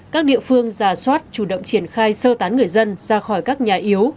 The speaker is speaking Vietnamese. các địa phương giả soát chủ động triển khai sơ tán người dân ra khỏi các nhà yếu